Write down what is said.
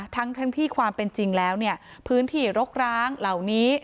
ทั้งที่ความเป็นจริงแล้วเนี่ยพื้นที่รกร้างเหล่านี้